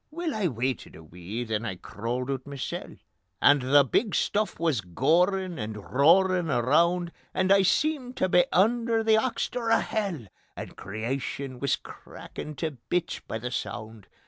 Weel, I waited a wee, then I crawled oot masel, And the big stuff wis gorin' and roarin' around, And I seemed tae be under the oxter o' hell, And Creation wis crackin' tae bits by the sound.